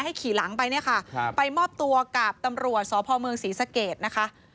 ให้ขี่หลังไปไปมอบตัวกับตำรวจสพศรีสะเกตนะคะ